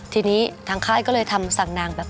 ทีนี้ทางค่ายก็เลยทำสั่งนางแบบ